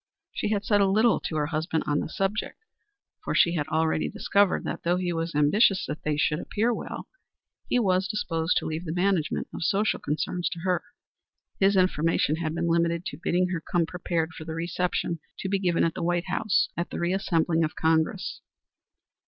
She had said little to her husband on the subject, for she had already discovered that, though he was ambitious that they should appear well, he was disposed to leave the management of social concerns to her. His information had been limited to bidding her come prepared for the reception to be given at the White House at the reassembling of Congress.